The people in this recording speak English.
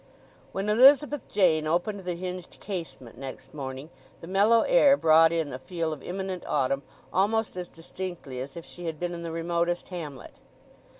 When Elizabeth Jane opened the hinged casement next morning the mellow air brought in the feel of imminent autumn almost as distinctly as if she had been in the remotest hamlet.